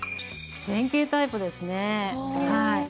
前傾タイプですね。